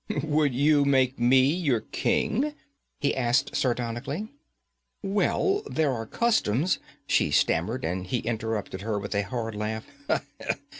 'Would you make me your king?' he asked sardonically. 'Well, there are customs ' she stammered, and he interrupted her with a hard laugh.